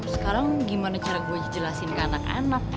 sekarang gimana cara gue jelasin ke anak anak